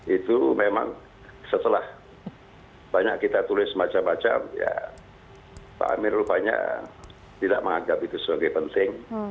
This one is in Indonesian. itu memang setelah banyak kita tulis macam macam ya pak amir rupanya tidak menganggap itu sebagai penting